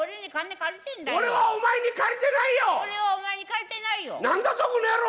俺はお前に借りてないよ！